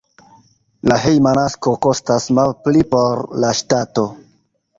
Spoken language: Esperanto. La hejma nasko kostas malpli por la ŝtato.